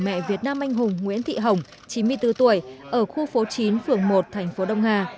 mẹ việt nam anh hùng nguyễn thị hồng chín mươi bốn tuổi ở khu phố chín phường một thành phố đông hà